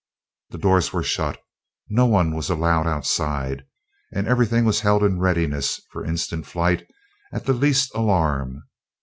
The doors were shut, no one was allowed outside, and everything was held in readiness for instant flight at the least alarm.